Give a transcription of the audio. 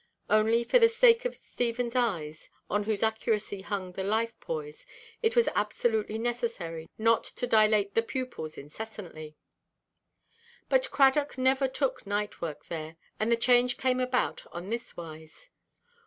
Only, for the sake of Stephenʼs eyes, on whose accuracy hung the life–poise, it was absolutely necessary not to dilate the pupils incessantly. But Cradock never took night–work there; and the change came about on this wise.